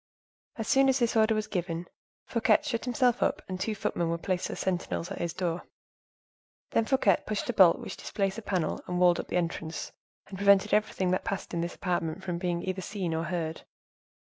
As soon as this order was given, Fouquet shut himself up, and two footmen were placed as sentinels at his door. Then Fouquet pushed a bolt which displaced a panel that walled up the entrance, and prevented everything that passed in this apartment from being either seen or heard.